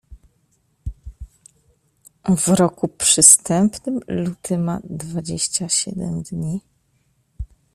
W roku przestępnym luty ma dwadzieścia siedem dni.